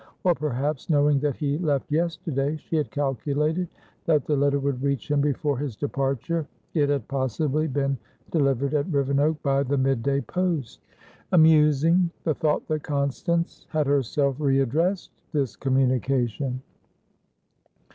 Or, perhaps, knowing that he left yesterday, she had calculated that the letter would reach him before his departure; it had possibly been delivered at Rivenoak by the mid day post. Amusing, the thought that Constance had herself re addressed this communication!